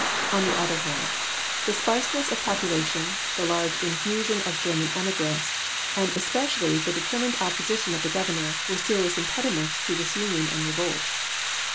On the other hand, the sparseness of pop ulation, the large infusion of Grerman emigrants, and especially the determined opposition of the Governor, were serious impediments to disunion and revolt.